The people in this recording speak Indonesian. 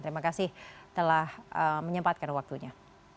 terima kasih telah menyempatkan waktunya